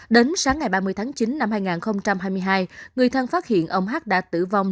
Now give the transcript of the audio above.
đến sáng ngày ba mươi tháng chín năm hai nghìn hai mươi hai người thân phát hiện ông hát đã tử vong